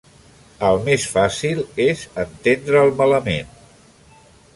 El més fàcil és entendre'l malament.